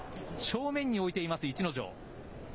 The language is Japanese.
正面に置いています逸ノ城。